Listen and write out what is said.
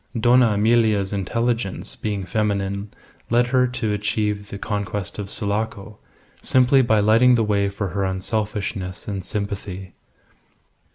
Dona Emilia's intelligence being feminine led her to achieve the conquest of Sulaco, simply by lighting the way for her unselfishness and sympathy.